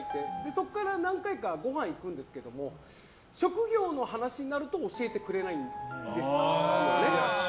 そこから何回かごはん行くんですけど職業の話になると教えてくれないんですよね。